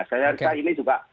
saya rasa ini juga